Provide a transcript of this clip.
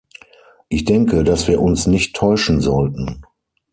Ich denke, dass wir uns nicht täuschen sollten.